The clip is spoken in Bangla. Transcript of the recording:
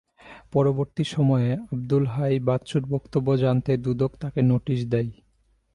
পরবর্তী সময়ে আবদুল হাই বাচ্চুর বক্তব্য জানতে দুদক তাঁকে নোটিশ দেয়।